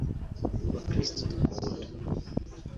Bakristu dukunda